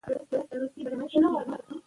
ازادي راډیو د د جګړې راپورونه اړوند مرکې کړي.